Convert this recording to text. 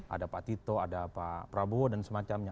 ada pak tito ada pak prabowo dan semacamnya